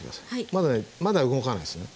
まだねまだ動かないですよね。